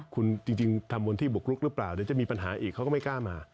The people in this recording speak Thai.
คุณจริงทำบนที่บุกรุกหรือเปล่าเดี๋ยวจะมีปัญหาอีกเขาก็ไม่กล้ามา